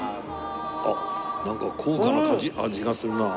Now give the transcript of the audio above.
あっなんか高価な味がするなあ。